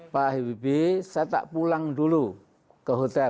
pak habibie saya tak pulang dulu ke hotel